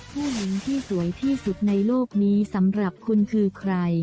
ผู้หญิงที่สวยที่สุดในโลกนี้สำหรับคุณคือใคร